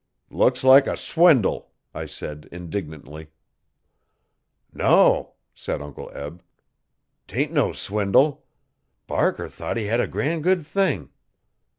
'Looks like a swindle,' I said indignantly. 'No,' said Uncle Eb, ''tain't no swindle. Barker thought he hed a gran' good thing.